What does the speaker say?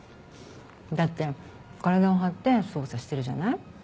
だって体を張って捜査してるじゃない？